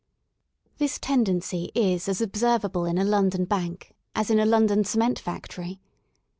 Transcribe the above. This tendency is as observable in a London bank as in a London cement factory.